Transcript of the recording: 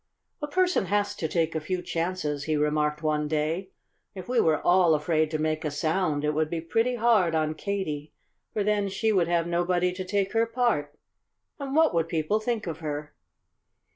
"A person has to take a few chances," he remarked one day. "If we were all afraid to make a sound it would be pretty hard on Katy, for then she would have nobody to take her part. And what would people think of her?"